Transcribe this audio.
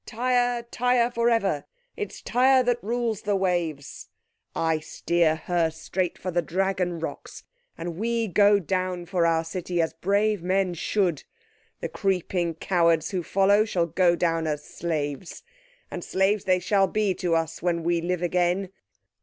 'Tyre, Tyre for ever! It's Tyre that rules the waves.' I steer her straight for the Dragon rocks, and we go down for our city, as brave men should. The creeping cowards who follow shall go down as slaves—and slaves they shall be to us—when we live again.